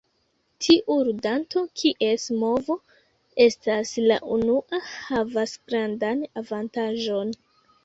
Tiu ludanto, kies movo estas la unua, havas grandan avantaĝon.